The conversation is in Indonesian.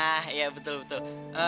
ah iya betul betul